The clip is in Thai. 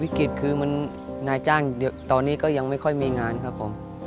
วิกฤตคือนายจ้างตอนนี้ก็ยังไม่ค่อยมีงานครับผม